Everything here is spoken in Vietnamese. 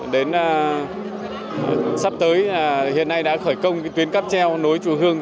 đến sắp tới hiện nay đã khởi công tuyến cắp treo nối chùa hương